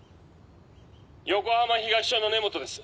「横浜東署の根本です」